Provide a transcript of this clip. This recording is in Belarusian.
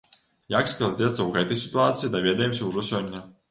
Як складзецца ў гэтай сітуацыі, даведаемся ўжо сёння.